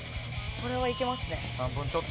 これはいけますよ！